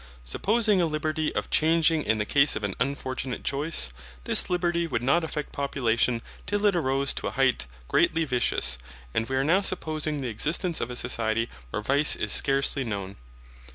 Supposing a liberty of changing in the case of an unfortunate choice, this liberty would not affect population till it arose to a height greatly vicious; and we are now supposing the existence of a society where vice is scarcely known.